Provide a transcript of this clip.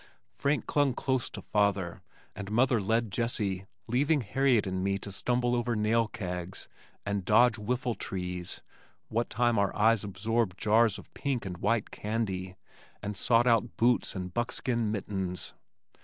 Frank clung close to father, and mother led Jessie, leaving Harriet and me to stumble over nail kegs and dodge whiffle trees what time our eyes absorbed jars of pink and white candy, and sought out boots and buckskin mittens.